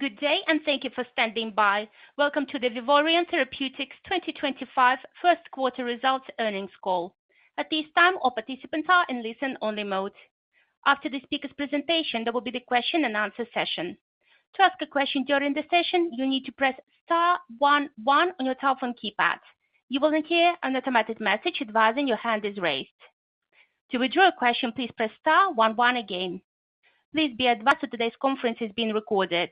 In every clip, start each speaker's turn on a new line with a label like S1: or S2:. S1: Good day, and thank you for standing by. Welcome to the Vivoryon Therapeutics 2025 First Quarter Results Earnings Call. At this time, all participants are in listen-only mode. After the speaker's presentation, there will be the question-and-answer session. To ask a question during the session, you need to press *11 on your telephone keypad. You will then hear an automatic message advising your hand is raised. To withdraw a question, please press *11 again. Please be advised that today's conference is being recorded.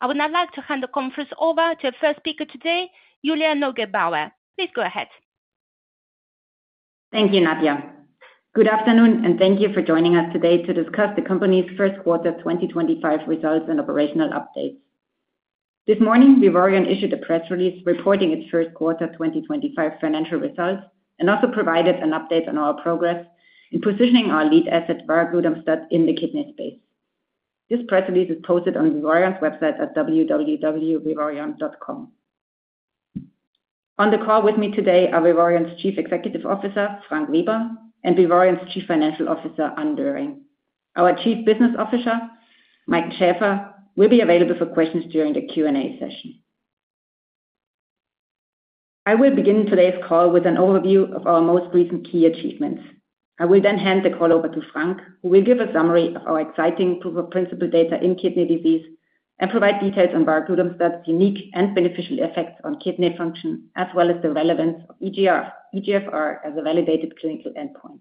S1: I would now like to hand the conference over to our first speaker today, Julia Neugebauer. Please go ahead.
S2: Thank you, Nadia. Good afternoon, and thank you for joining us today to discuss the company's first quarter 2025 results and operational updates. This morning, Vivoryon issued a press release reporting its first quarter 2025 financial results and also provided an update on our progress in positioning our lead asset, varoglutamstat, in the kidney space. This press release is posted on Vivoryon Therapeutics' website at www.vivoryon.com. On the call with me today are Vivoryon, Chief Executive Officer, Frank Weber, and Vivoryon, Chief Financial Officer, Anne Doering. Our Chief Business Officer, Mike Schaeffer, will be available for questions during the Q&A session. I will begin today's call with an overview of our most recent key achievements. I will then hand the call over to Frank, who will give a summary of our exciting proof-of-principle data in kidney disease and provide details on Varoglutamstat's unique and beneficial effects, on kidney function, as well as the relevance of EGFR, as a validated clinical endpoint.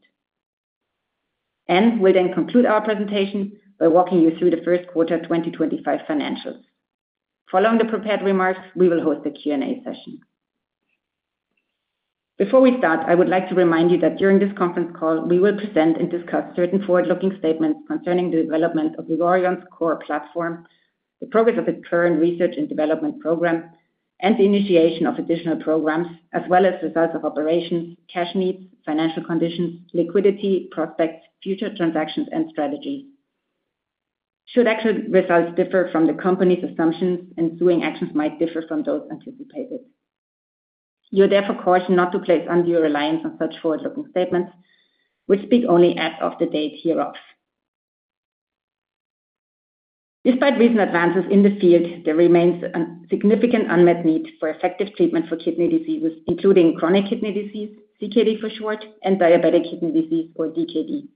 S2: Anne will then conclude our presentation by walking you through the first quarter 2025 financials. Following the prepared remarks, we will host a Q&A session. Before we start, I would like to remind you that during this conference call, we will present and discuss certain forward-looking statements concerning the development of Vivoryon's core platform, the progress of its current research and development program, and the initiation of additional programs, as well as results of operations, cash needs, financial conditions, liquidity prospects, future transactions, and strategies. Should actual results differ from the company's assumptions, ensuing actions might differ from those anticipated. You are therefore cautioned not to place undue reliance on such forward-looking statements, which speak only as of the date hereof. Despite recent advances in the field, there remains a significant unmet need for effective treatment for kidney diseases, including chronic kidney disease, CKD for short, and diabetic kidney disease, or DKD.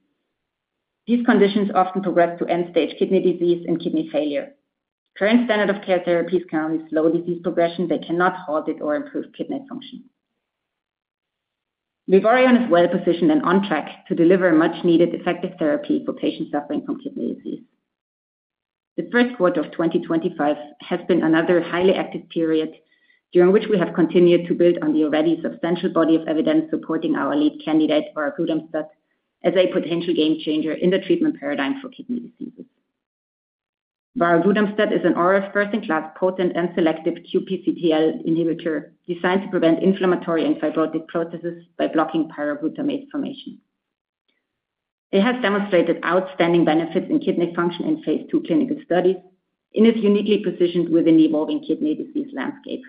S2: These conditions often progress to end-stage kidney disease and kidney failure. Current standard of care therapies can only slow disease progression. They cannot halt it or improve kidney function. Vivoryon, is well positioned and on track to deliver much-needed effective therapy for patients suffering from kidney disease. The first quarter of 2025 has been another highly active period, during which we have continued to build on the already substantial body of evidence supporting our lead candidate, Varoglutamstat, as a potential game changer in the treatment paradigm for kidney diseases. Varoglutamstat, is an oral first-in-class potent and selective QPCTL inhibitor, designed to prevent inflammatory and fibrotic processes, by blocking pyroglutamate formation. It has demonstrated outstanding benefits in kidney function in phase II clinical studies, and is uniquely positioned within the evolving kidney disease landscape.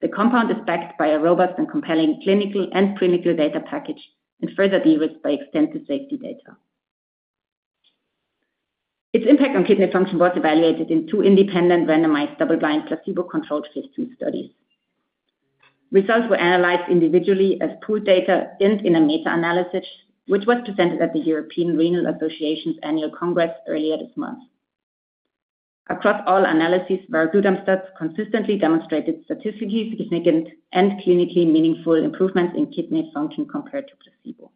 S2: The compound is backed by a robust and compelling clinical and clinical data package and further derisked by extensive safety data. Its impact on kidney function was evaluated in two independent randomized double-blind placebo-controlled 15 studies. Results were analyzed individually as pooled data and in a meta-analysis, which was presented at the European Renal Association's Annual Congress, earlier this month. Across all analyses, Varoglutamstat, consistently demonstrated statistically significant and clinically meaningful improvements in kidney function compared to placebo.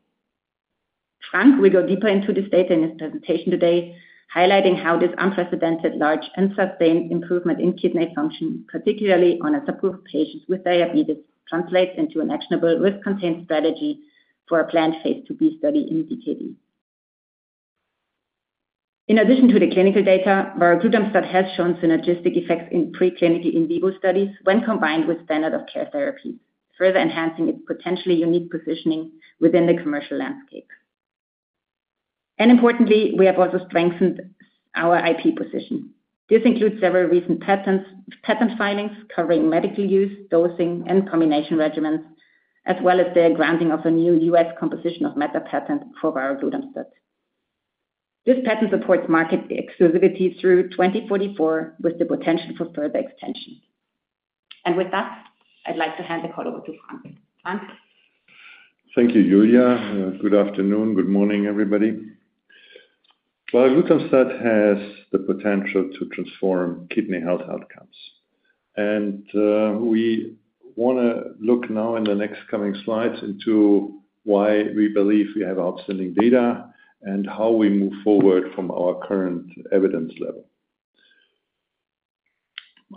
S2: Frank, we go deeper into this data in his presentation today, highlighting how this unprecedented large and sustained improvement in kidney function, particularly on a subgroup of patients with diabetes, translates into an actionable risk-contained strategy for a planned phase II B study, in DKD. In addition to the clinical data, Varoglutamstat, has shown synergistic effects in preclinical in vivo studies, when combined with standard of care therapies, further enhancing its potentially unique positioning within the commercial landscape. Importantly, we have also strengthened our IP position. This includes several recent patent filings covering medical use, dosing, and combination regimens, as well as the granting of a new U.S. composition of matter patent for Varoglutamstat. This patent supports market exclusivity through 2044, with the potential for further extension. With that, I'd like to hand the call over to Frank. Frank.
S3: Thank you, Julia. Good afternoon. Good morning, everybody. Varoglutamstat, has the potential to transform kidney health outcomes. We want to look now in the next coming slides into why we believe we have outstanding data and how we move forward from our current evidence level.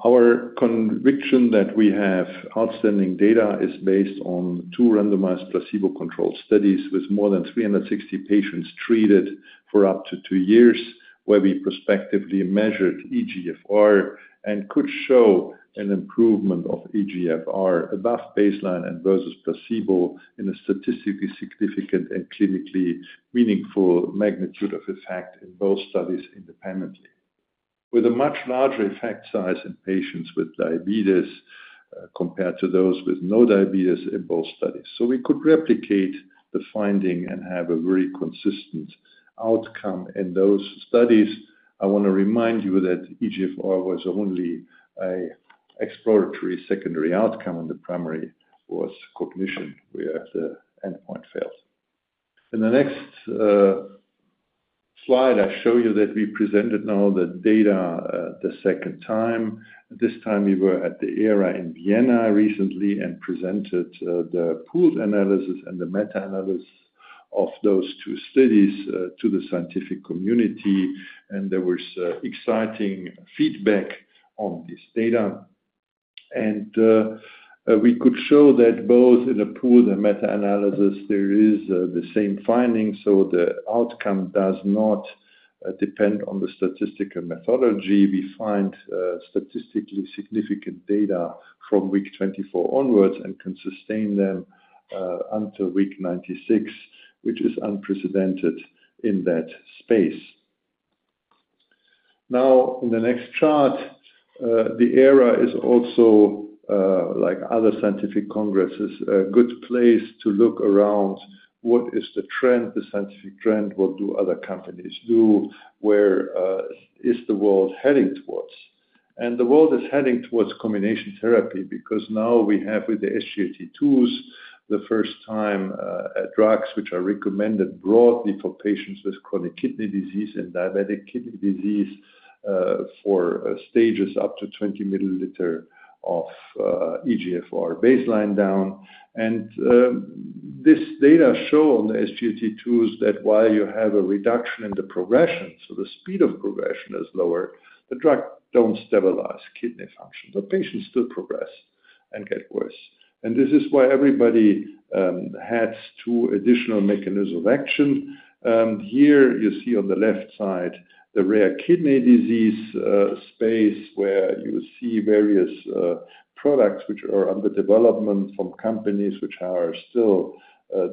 S3: Our conviction that we have outstanding data is based on two randomized placebo-controlled studies, with more than 360 patients treated for up to two years, where we prospectively measured EGFR, and could show an improvement of EGFR, above baseline and versus placebo in a statistically significant and clinically meaningful magnitude of effect in both studies independently, with a much larger effect size in patients with diabetes compared to those with no diabetes in both studies. We could replicate the finding and have a very consistent outcome in those studies. I want to remind you that EGFR, was only an exploratory secondary outcome, and the primary was cognition, where the endpoint failed. In the next slide, I show you that we presented now the data the second time. This time, we were at the ERA in Vienna, recently and presented the pooled analysis and the meta-analysis, of those two studies to the scientific community. There was exciting feedback on this data. We could show that both in the pooled and meta-analysis, there is the same finding. The outcome does not depend on the statistical methodology. We find statistically significant data from week 24 onwards and can sustain them until week 96, which is unprecedented in that space. Now, in the next chart, the ERA is also, like other scientific congresses, a good place to look around what is the trend, the scientific trend, what do other companies do, where is the world heading towards. The world is heading towards combination therapy because now we have, with the SGLT2s, the first time drugs which are recommended broadly for patients with chronic kidney disease and diabetic kidney disease, for stages up to 20 milliliter, of EGFR baseline down. This data shows on the SGLT2s, that while you have a reduction in the progression, so the speed of progression is lower, the drug doesn't stabilize kidney function. The patients still progress and get worse. This is why everybody has two additional mechanisms of action. Here you see on the left side the rare kidney disease space, where you see various products which are under development from companies which are still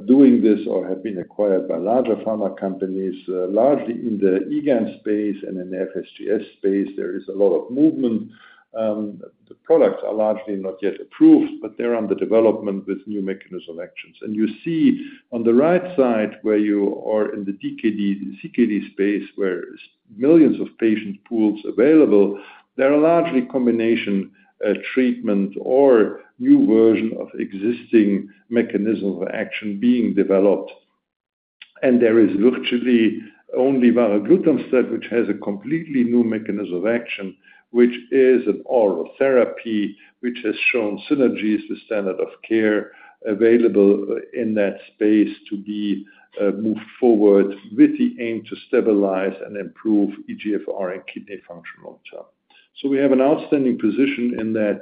S3: doing this or have been acquired by larger pharma companies, largely in the IgAN space and in the FSGS space. There is a lot of movement. The products are largely not yet approved, but they're under development with new mechanisms of action. You see on the right side, where you are in the CKD space, where millions of patient pools are available, there are largely combination treatments or new versions of existing mechanisms of action being developed. There is virtually only Varoglutamstat, which has a completely new mechanism of action, which is an oral therapy, which has shown synergies with standard of care available in that space to be moved forward with the aim to stabilize and improve EGFR and kidney function long term. We have an outstanding position in that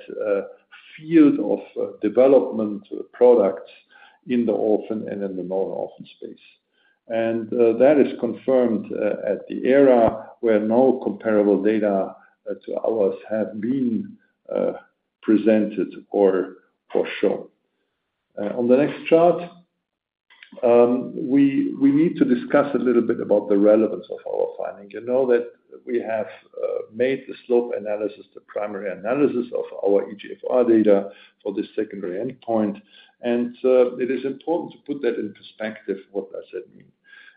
S3: field of development products in the orphan and in the non-orphan space. That is confirmed at the ERA, where no comparable data to ours have been presented or shown. On the next chart, we need to discuss a little bit about the relevance of our finding. You know that we have made the slope analysis the primary analysis of our EGFR data, for the secondary endpoint. It is important to put that in perspective, what does that mean?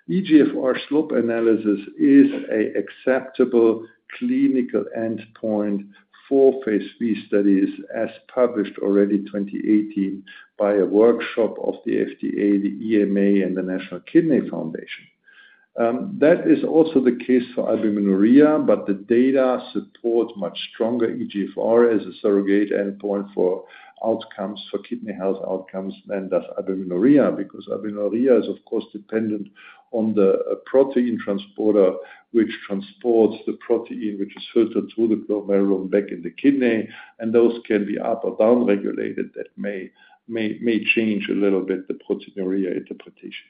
S3: EGFR slope analysis, is an acceptable clinical endpoint for phase three studies, as published already in 2018 by a workshop of the FDA, the EMA, and the National Kidney Foundation. That is also the case for albuminuria, but the data support much stronger EGFR, as a surrogate endpoint for outcomes for kidney health outcomes than does albuminuria because albuminuria is, of course, dependent on the protein transporter, which transports the protein which is filtered through the glomerulus and back in the kidney. Those can be up or down regulated. That may change a little bit the proteinuria interpretation.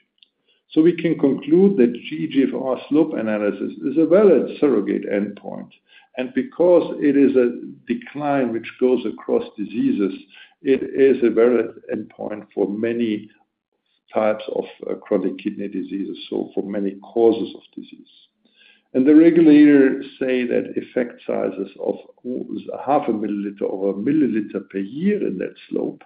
S3: We can conclude that EGFR slope analysis, is a valid surrogate endpoint. Because it is a decline which goes across diseases, it is a valid endpoint for many types of chronic kidney diseases, for many causes of disease. The regulator says that effect sizes of half a milliliter over a milliliter per year in that slope,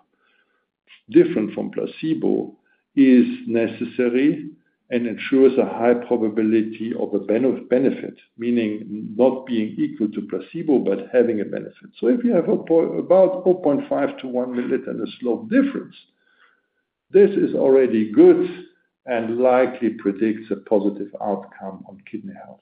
S3: different from placebo, is necessary and ensures a high probability of a benefit, meaning not being equal to placebo, but having a benefit. If you have about 0.5-1 milliliter in the slope difference, this is already good and likely predicts a positive outcome on kidney health.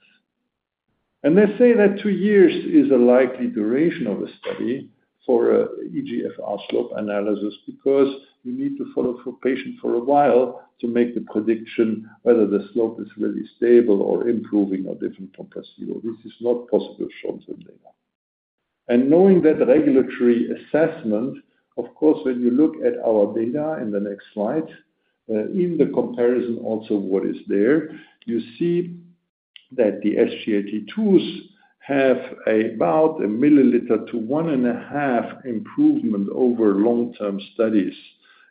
S3: They say that two years is a likely duration of a study for an EGFR slope analysis, because you need to follow a patient for a while to make the prediction whether the slope is really stable or improving or different from placebo. This is not possible short-term data. Knowing that regulatory assessment, of course, when you look at our data in the next slide, in the comparison also what is there, you see that the SGLT2s, have about 1 milliliter to 1.5 improvement, over long-term studies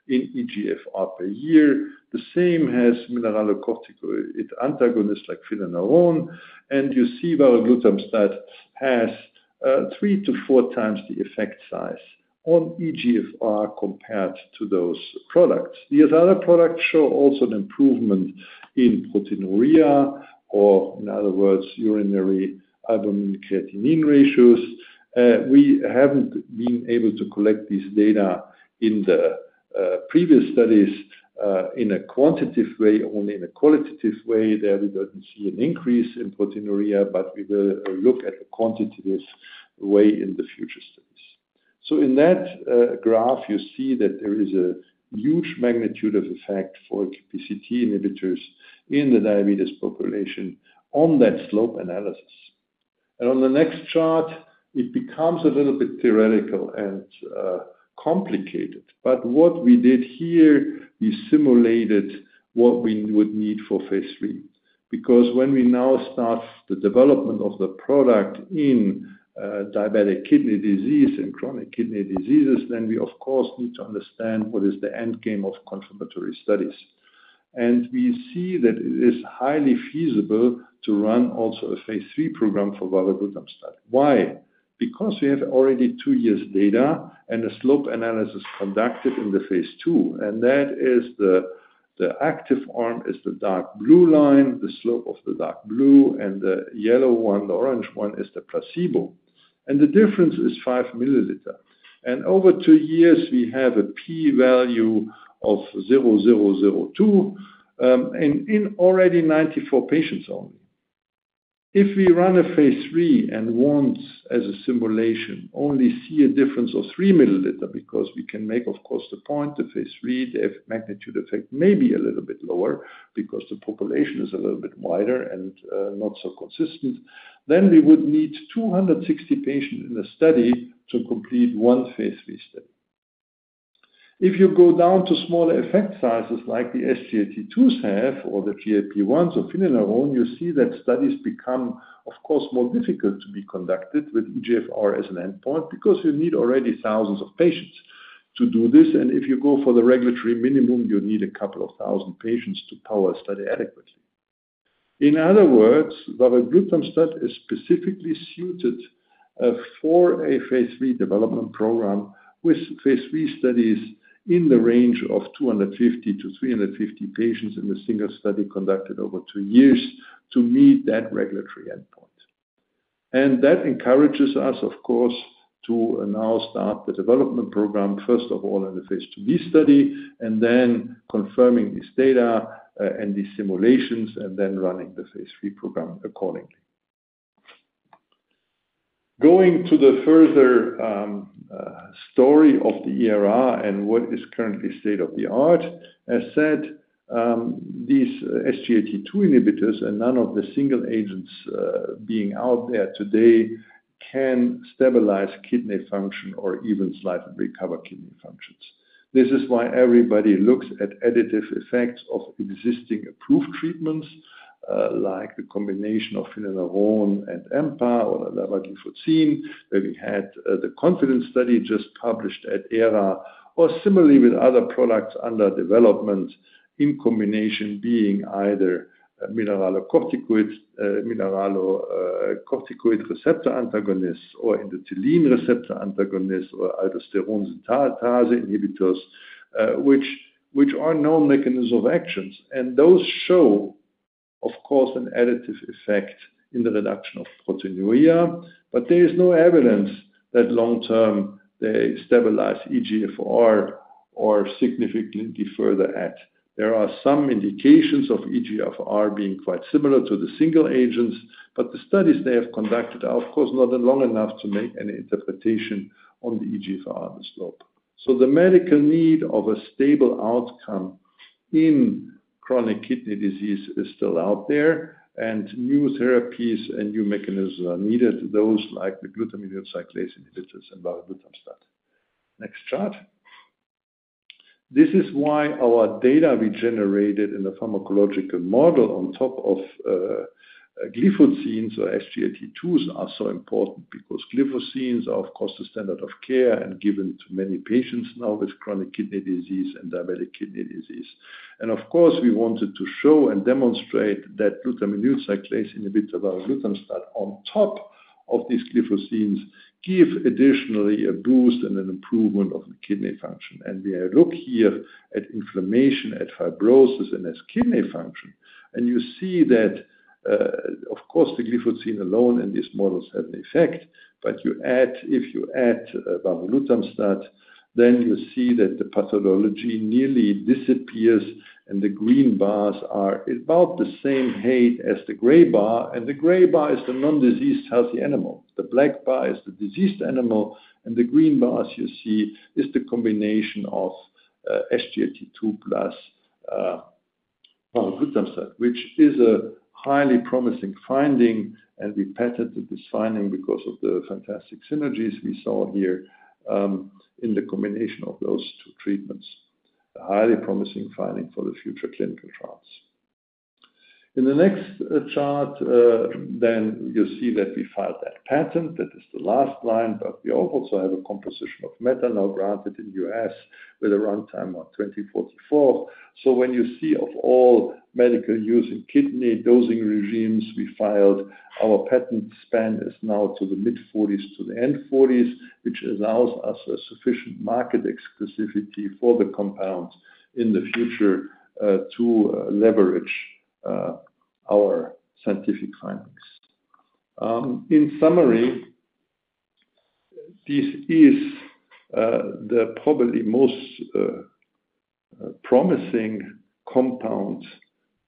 S3: in EGFR per year. The same has mineralocorticoid antagonists like finerenone. You see Varoglutamstat, has three to four times the effect size on EGFR, compared to those products. The other products show also an improvement in proteinuria, or in other words, urinary albumin-creatinine ratios. We have not been able to collect this data in the previous studies in a quantitative way, only in a qualitative way. There we do not see an increase in proteinuria, but we will look at the quantitative way in the future studies. In that graph, you see that there is a huge magnitude of effect for qPCT inhibitors, in the diabetes population on that slope analysis. On the next chart, it becomes a little bit theoretical and complicated. What we did here, we simulated what we would need for phase III, because when we now start the development of the product in diabetic kidney disease and chronic kidney diseases, then we, of course, need to understand what is the endgame of confirmatory studies. We see that it is highly feasible to run also a phase III program, for Varoglutamstat. Why? Because we have already two years' data and a slope analysis, conducted in the phase II. The active arm, is the dark blue line, the slope of the dark blue, and the yellow one, the orange one is the placebo. The difference is 5 milliliter. Over two years, we have a p-value of 0.002 in already 94 patients only. If we run a phase III and want, as a simulation, only see a difference of 3 milliliter because we can make, of course, the point, the phase III, the magnitude effect may be a little bit lower because the population is a little bit wider and not so consistent, then we would need 260 patients in the study to complete one phase III study. If you go down to smaller effect sizes like the SGLT2s have or the GLP-1s or finerenone, you see that studies become, of course, more difficult to be conducted with EGFR, as an endpoint because you need already thousands of patients to do this. If you go for the regulatory minimum, you need a couple of thousand patients to power a study adequately. In other words, Varoglutamstat, is specifically suited for a phase III development program with phase III studies, in the range of 250-350 patients in a single study conducted over two years to meet that regulatory endpoint. That encourages us, of course, to now start the development program, first of all, in the phase II B study, and then confirming this data and these simulations, and then running the phase III program accordingly. Going to the further story of the ERA and what is currently state of the art, as said, these SGLT2 inhibitors, and none of the single agents being out there today can stabilize kidney function or even slightly recover kidney functions. This is why everybody looks at additive effects of existing approved treatments like the combination of finerenone and empagliflozin or dapagliflozin, that we had the CONFIDENCE study, just published at ERA, or similarly with other products under development in combination being either mineralocorticoid receptor antagonists or endothelin receptor antagonists or aldosterone synthetase inhibitors, which are known mechanisms of actions. Those show, of course, an additive effect in the reduction of proteinuria, but there is no evidence that long term they stabilize EGFR, or significantly defer the act. There are some indications of EGFR, being quite similar to the single agents, but the studies they have conducted are, of course, not long enough to make any interpretation on the EGFR, on the slope. The medical need of a stable outcome in chronic kidney disease, is still out there, and new therapies and new mechanisms are needed, those like the glutaminyl cyclase inhibitors and Varoglutamstat. Next chart. This is why our data we generated in the pharmacological model on top of gliflozins or SGLT2s, are so important because gliflozins are, of course, the standard of care and given to many patients now with chronic kidney disease and diabetic kidney disease. Of course, we wanted to show and demonstrate that glutaminyl cyclase inhibitor, Varoglutamstat, on top of these gliflozins, gives additionally a boost and an improvement of the kidney function. We look here at inflammation, at fibrosis, and at kidney function. You see that, of course, the gliflozin alone in this model has an effect, but if you add varoglutamstat, you see that the pathology nearly disappears, and the green bars, are about the same height as the gray bar. The gray bar, is the non-diseased healthy animal. The black bar, is the diseased animal. The green bars, you see is the combination of SGLT2 plus Varoglutamstat, which is a highly promising finding. We patented this finding because of the fantastic synergies we saw here in the combination of those two treatments. A highly promising finding for future clinical trials. In the next chart, you see that we filed that patent. That is the last line, but we also have a composition of matter granted in the U.S. with a runtime of 2044. When you see of all medical use in kidney dosing regimes, we filed our patent span is now to the mid-2040s, to the end-2040s, which allows us a sufficient market exclusivity for the compounds in the future to leverage our scientific findings. In summary, this is probably the most promising compound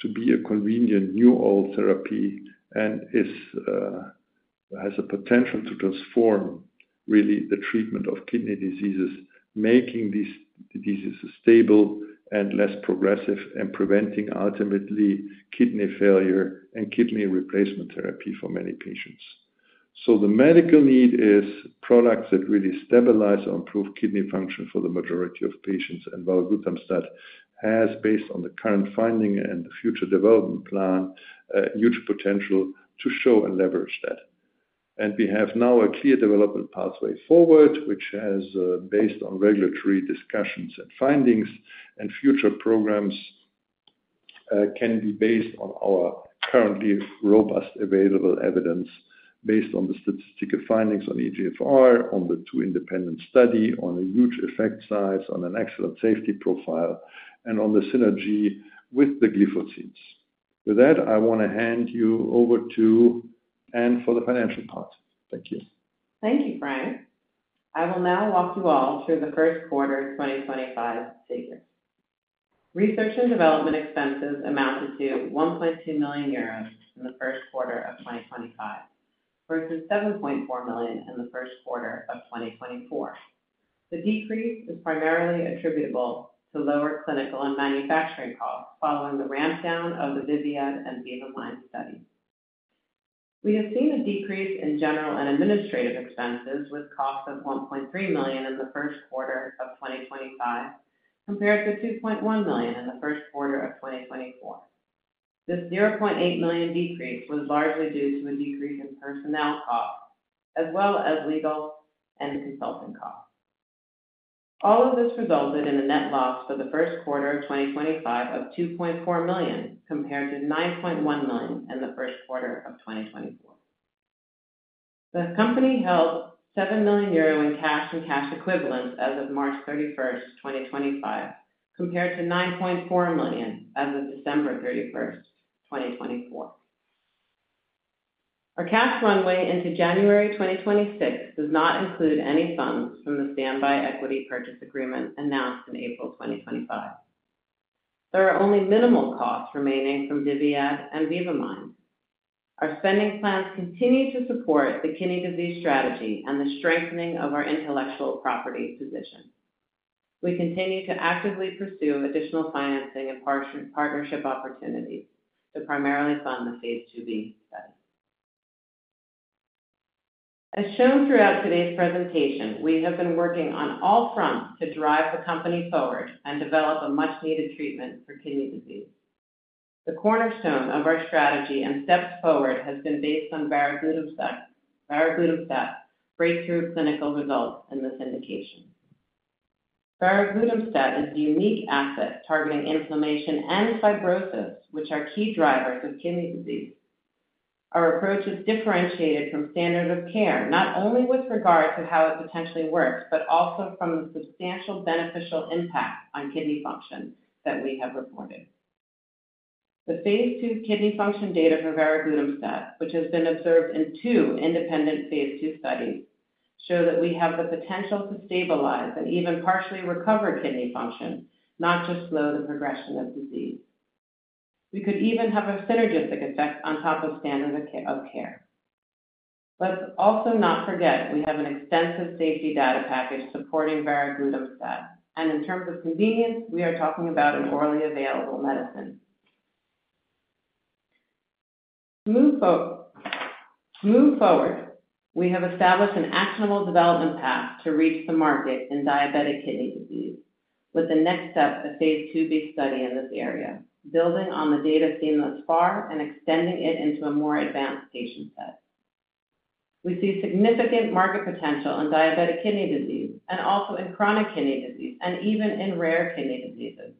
S3: to be a convenient new oral therapy and has a potential to transform really the treatment of kidney diseases, making these diseases stable and less progressive and preventing ultimately kidney failure and kidney replacement therapy for many patients. The medical need is products that really stabilize or improve kidney function for the majority of patients. Varoglutamstat has, based on the current finding and the future development plan, huge potential to show and leverage that. We have now a clear development pathway forward, which is based on regulatory discussions and findings, and future programs can be based on our currently robust available evidence based on the statistical findings on EGFR, on the two independent studies, on a huge effect size, on an excellent safety profile, and on the synergy with the gliflozins. With that, I want to hand you over to Anne, for the financial part. Thank you.
S4: Thank you, Frank. I will now walk you all through the first quarter 2025 figures. Research and development expenses, amounted to 1.2 million euros, in the first quarter of 2025, versus 7.4 million, in the first quarter of 2024. The decrease is primarily attributable to lower clinical and manufacturing costs, following the ramp-down of the VIVIAN and BEAM aligned studies. We have seen a decrease in general and administrative expenses, with costs of 1.3 million, in the first quarter of 2025 compared to 2.1 million, in the first quarter of 2024. This 0.8 million, decrease was largely due to a decrease in personnel costs, as well as legal and consulting costs. All of this resulted in a net loss, for the first quarter of 2025 of 2.4 million, compared to 9.1 million, in the first quarter of 2024. The company held 7 million euro, in cash and cash equivalents, as of March 31, 2025, compared to 9.4 million, as of December 31, 2024. Our cash runway, into January 2026 does not include any funds from the standby equity purchase agreement, announced in April 2025. There are only minimal costs, remaining from VIVIAN and BEAM studies. Our spending plans continue to support the kidney disease strategy and the strengthening of our intellectual property position. We continue to actively pursue additional financing and partnership opportunities to primarily fund the phase II B study. As shown throughout today's presentation, we have been working on all fronts to drive the company forward and develop a much-needed treatment for kidney disease. The cornerstone of our strategy and steps forward has been based on Varoglutamstat's, breakthrough clinical results in this indication. Varoglutamstat, is a unique asset targeting inflammation and fibrosis, which are key drivers of kidney disease. Our approach is differentiated from standard of care, not only with regard to how it potentially works, but also from the substantial beneficial impact on kidney function that we have reported. The phase II kidney function data, for Varoglutamstat, which has been observed in two independent phase II studies, show that we have the potential to stabilize and even partially recover kidney function, not just slow the progression of disease. We could even have a synergistic effect on top of standard of care. Let's also not forget we have an extensive safety data package supporting Varoglutamstat. In terms of convenience, we are talking about an orally available medicine. To move forward, we have established an actionable development path to reach the market in diabetic kidney disease with the next step of phase II B study, in this area, building on the data seen thus far and extending it into a more advanced patient set. We see significant market potential in diabetic kidney disease and also in chronic kidney disease and even in rare kidney diseases.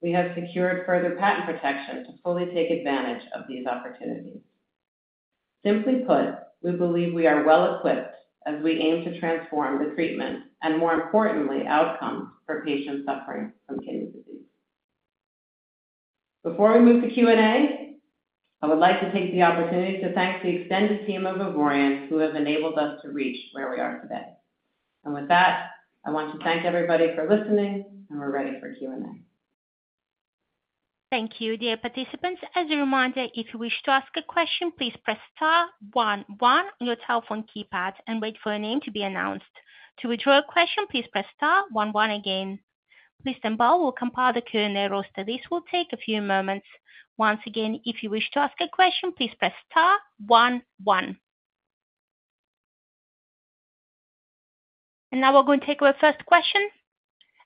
S4: We have secured further patent protection to fully take advantage of these opportunities. Simply put, we believe we are well equipped as we aim to transform the treatment and, more importantly, outcomes for patients suffering from kidney disease. Before we move to Q&A, I would like to take the opportunity to thank the extended team of Vivoryon, who have enabled us to reach where we are today. I want to thank everybody for listening, and we're ready for Q&A.
S1: Thank you, dear participants. As a reminder, if you wish to ask a question, please press star 11 on your telephone keypad and wait for a name to be announced. To withdraw a question, please press star 11 again. Mr. Ball will compile the Q&A roster. This will take a few moments. Once again, if you wish to ask a question, please press star 11. Now we are going to take our first question,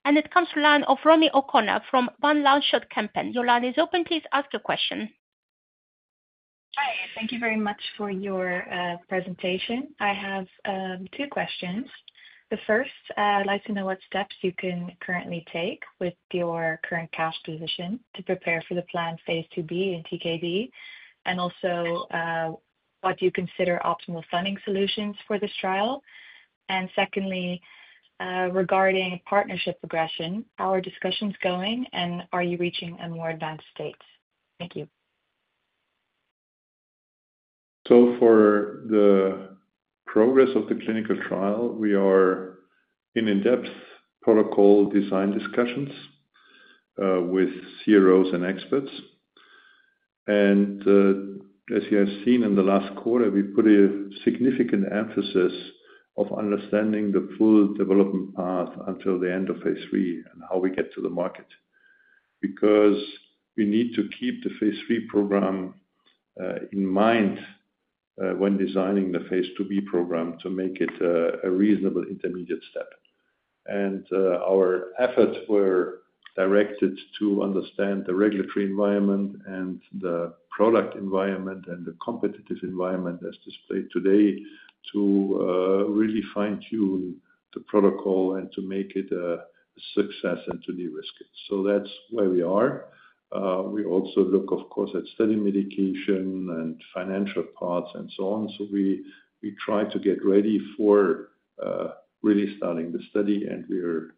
S1: and it comes from the line of Romy O'Connor, from Van Lanschot Kempen. Your line is open. Please ask your question.
S5: Hi. Thank you very much for your presentation. I have two questions. The first, I'd like to know what steps you can currently take with your current cash position to prepare for the planned phase II B and TKB, and also what you consider optimal funding solutions for this trial. Secondly, regarding partnership progression, how are discussions going, and are you reaching a more advanced state? Thank you.
S3: For the progress of the clinical trial, we are in in-depth protocol design discussions with CROs and experts. As you have seen in the last quarter, we put a significant emphasis on understanding the full development path until the end of phase III, and how we get to the market because we need to keep the phase III, program in mind when designing the phase II B program, to make it a reasonable intermediate step. Our efforts were directed to understand the regulatory environment and the product environment and the competitive environment as displayed today to really fine-tune the protocol and to make it a success and to de-risk it. That is where we are. We also look, of course, at study medication and financial parts and so on. We try to get ready for really starting the study, and we are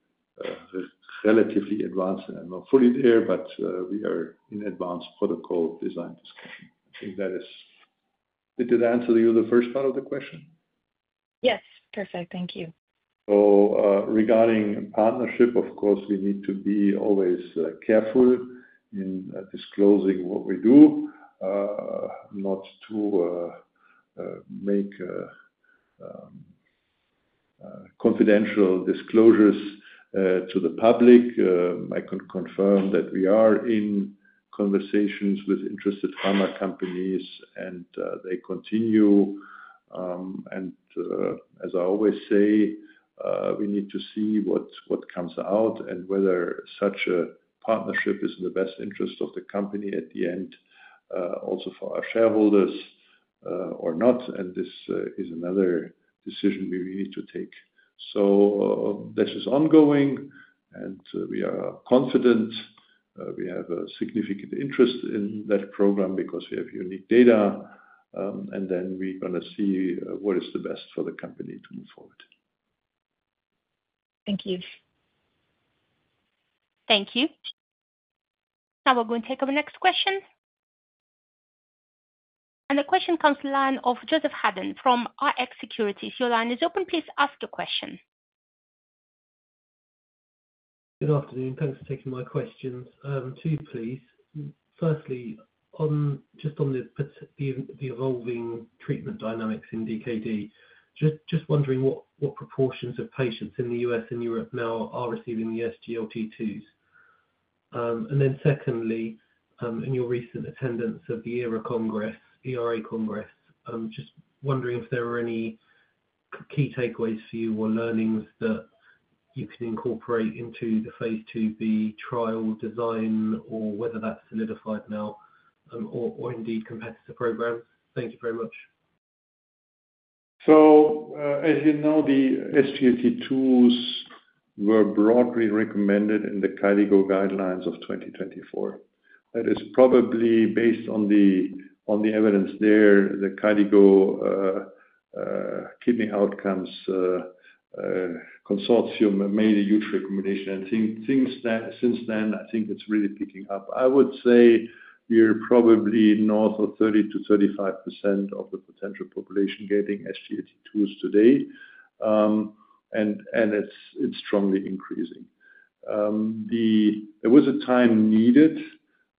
S3: relatively advanced. I'm not fully there, but we are in advanced protocol design discussion. I think that answers you the first part of the question.
S5: Yes. Perfect. Thank you.
S3: Regarding partnership, of course, we need to be always careful in disclosing what we do, not to make confidential disclosures to the public. I can confirm that we are in conversations with interested pharma companies, and they continue. As I always say, we need to see what comes out and whether such a partnership is in the best interest of the company at the end, also for our shareholders or not. This is another decision we need to take. This is ongoing, and we are confident. We have a significant interest in that program because we have unique data. We are going to see what is the best for the company to move forward.
S1: Thank you. Now we're going to take our next question. The question comes from the line of Joseph Haddon, from Rx Securities. Your line is open. Please ask your question.
S6: Good afternoon. Thanks for taking my questions. Two, please. Firstly, just on the evolving treatment dynamics in DKD, just wondering what proportions of patients in the U.S. and Europe, now are receiving the SGLT2s. Then secondly, in your recent attendance of the ERA Congress, just wondering if there are any key takeaways for you or learnings that you can incorporate into the phase II B, trial design or whether that's solidified now or indeed competitor programs. Thank you very much.
S3: As you know, the SGLT2s, were broadly recommended in the KDIGO guidelines of 2024. That is probably based on the evidence there. The KDIGO, Kidney Outcomes Consortium, made a huge recommendation. Since then, I think it's really picking up. I would say we're probably north of 30-35%, of the potential population getting SGLT2s today, and it's strongly increasing. There was a time needed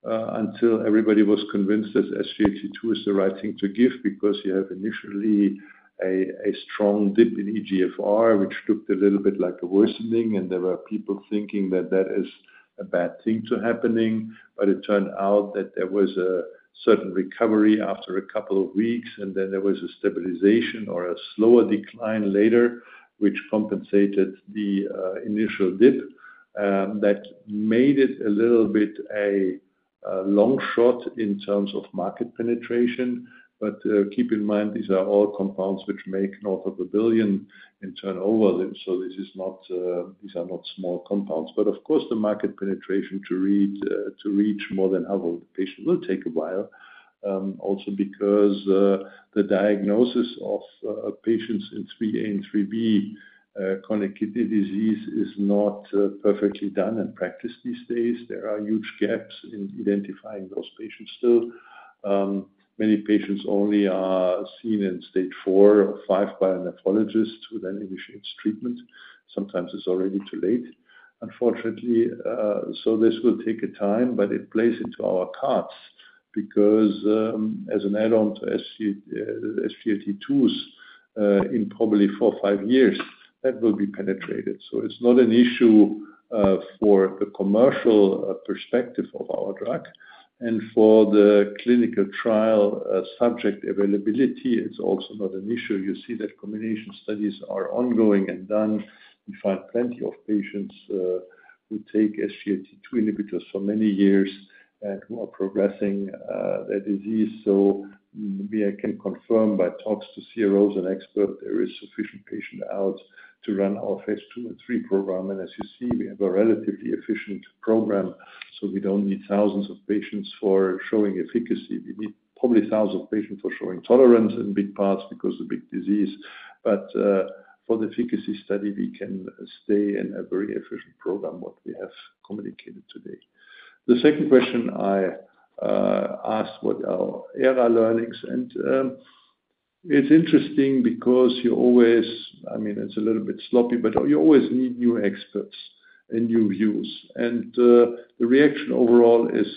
S3: until everybody was convinced that SGLT2, is the right thing to give because you have initially a strong dip in EGFR, which looked a little bit like a worsening. There were people thinking that that is a bad thing happening, but it turned out that there was a certain recovery after a couple of weeks, and then there was a stabilization or a slower decline later, which compensated the initial dip that made it a little bit a long shot in terms of market penetration. Keep in mind, these are all compounds which make north of $1 billion in turnover. These are not small compounds. Of course, the market penetration to reach more than half of the patient will take a while, also because the diagnosis of patients in 3A and 3B chronic kidney disease, is not perfectly done in practice these days. There are huge gaps in identifying those patients still. Many patients only are seen in stage four or five by a nephrologist, who then initiates treatment. Sometimes it's already too late, unfortunately. This will take time, but it plays into our cards because as an add-on to SGLT2s, in probably four or five years, that will be penetrated. It is not an issue for the commercial perspective of our drug. For the clinical trial subject availability, it is also not an issue. You see that combination studies are ongoing and done. We find plenty of patients who take SGLT2 inhibitors, for many years and who are progressing their disease. I can confirm by talks to CROs and experts, there is sufficient patient out to run our phase II and III program. As you see, we have a relatively efficient program, so we do not need thousands of patients for showing efficacy. We need probably thousands of patients for showing tolerance in big parts because of big disease. For the efficacy study, we can stay in a very efficient program, what we have communicated today. The second question I asked were our ERA learnings. It is interesting because you always, I mean, it is a little bit sloppy, but you always need new experts and new views. The reaction overall is,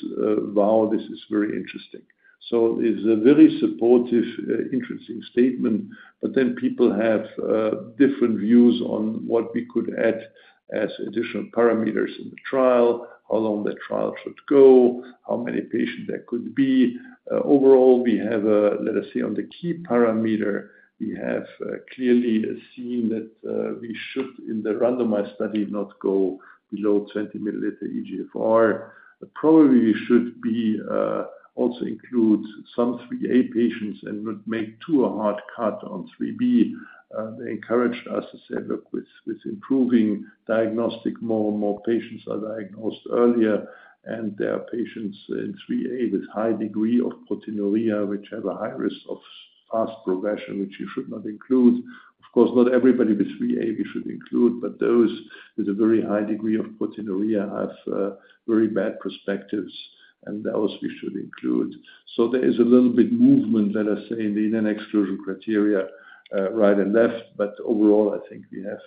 S3: wow, this is very interesting. It is a very supportive, interesting statement, but then people have different views on what we could add as additional parameters in the trial, how long the trial should go, how many patients there could be. Overall, we have, let us say, on the key parameter, we have clearly seen that we should, in the randomized study, not go below 20 milliliter EGFR. Probably we should also include some 3A patients, and not make too hard cut on 3B. They encouraged us to say, "Look, with improving diagnostic, more and more patients are diagnosed earlier, and there are patients in 3A, with high degree of proteinuria, which have a high risk of fast progression, which you should not include." Of course, not everybody with 3A, we should include, but those with a very high degree of proteinuria, have very bad perspectives, and those we should include. There is a little bit of movement, let us say, in the in-exclusion criteria right and left, but overall, I think we have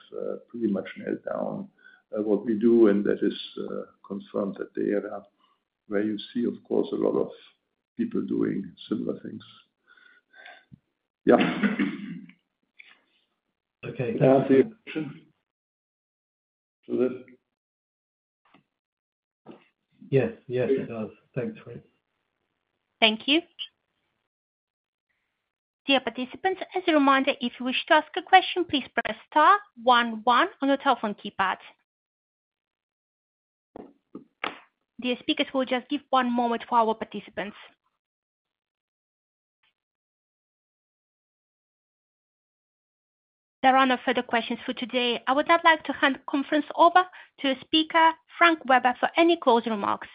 S3: pretty much nailed down what we do, and that is confirmed that the ERA, where you see, of course, a lot of people doing similar things.
S6: Yeah. Okay. Yes, yes, it does. Thanks, Rave.
S1: Thank you. Dear participants, as a reminder, if you wish to ask a question, please press star 11 on your telephone keypad. Dear speakers, we'll just give one moment for our participants. There are no further questions for today. I would now like to hand the conference over to Speaker Frank Weber, for any closing remarks.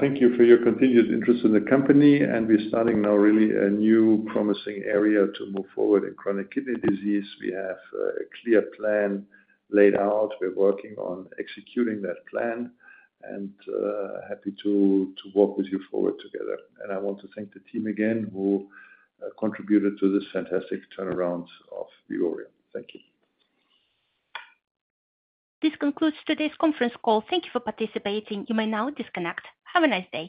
S3: Thank you for your continued interest in the company. We are starting now really a new promising area to move forward in chronic kidney disease. We have a clear plan laid out. We are working on executing that plan and happy to walk with you forward together. I want to thank the team again who contributed to this fantastic turnaround of Vivoryon. Thank you.
S1: This concludes today's conference call. Thank you for participating. You may now disconnect. Have a nice day.